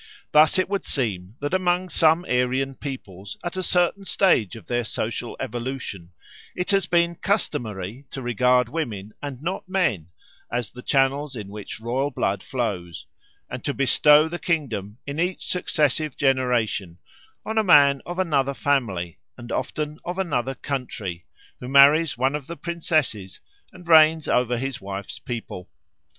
Thus it would seem that among some Aryan peoples, at a certain stage of their social evolution, it has been customary to regard women and not men as the channels in which royal blood flows, and to bestow the kingdom in each successive generation on a man of another family, and often of another country, who marries one of the princesses and reigns over his wife's people.